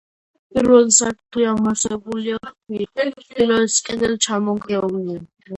პირველი სართული ამოვსებულია ქვით, ჩრდილოეთის კედელი ჩამონგრეულია.